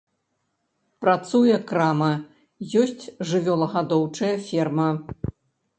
Працуе крама, ёсць жывёлагадоўчая ферма.